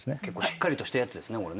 結構しっかりとしたやつですね